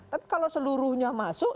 tapi kalau seluruhnya masuk